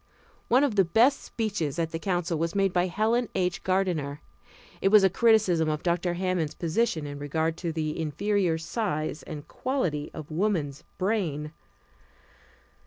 One of the best speeches at the council was made by Helen H. Gardener. It was a criticism of Dr. Hammond's position in regard to the inferior size and quality of woman's brain.